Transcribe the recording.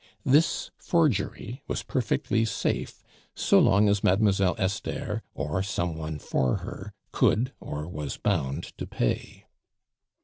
This forgery was perfectly safe so long as Mademoiselle Esther, or some one for her, could, or was bound to pay.